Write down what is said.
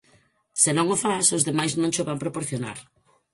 Se non o fas, os demais non cho van proporcionar.